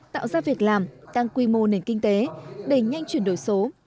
tạo ra việc làm tăng quy mô nền kinh tế đẩy nhanh chuyển đổi số